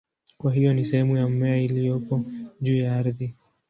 Kwa hiyo ni sehemu ya mmea iliyopo juu ya ardhi.